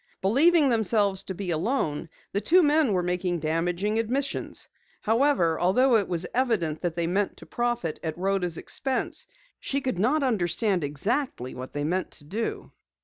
Believing themselves to be alone, the two men were making damaging admissions. However, although it was evident that they meant to profit at Rhoda's expense, she could not understand exactly what they meant to do.